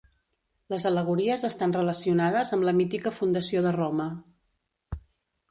Les al·legories estan relacionades amb la mítica fundació de Roma.